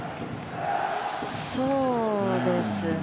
そうですね。